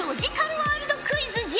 ワールドクイズじゃ！